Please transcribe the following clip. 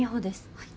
はい。